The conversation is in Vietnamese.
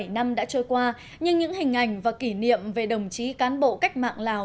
bảy mươi năm đã trôi qua nhưng những hình ảnh và kỷ niệm về đồng chí cán bộ cách mạng lào